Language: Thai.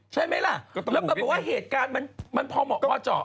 ใช่ไหมล่ะแล้วมันบอกว่าเหตุการณ์มันพอเหมาะพอเจาะ